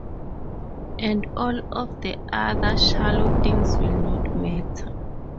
And all of the other shallow things will not matter...